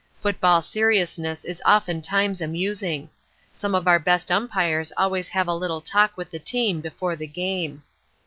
Football seriousness is oftentimes amusing. Some of our best Umpires always have a little talk with the team before the game.